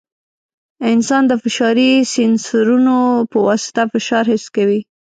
انسان د فشاري سینسرونو په واسطه فشار حس کوي.